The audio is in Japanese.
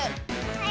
はい。